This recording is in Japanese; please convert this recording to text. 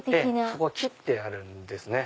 そこ切ってあるんですね。